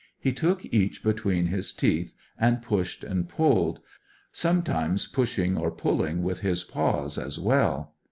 He took each between his teeth and pushed and pulled; sometimes pushing or pulling with his paws as well.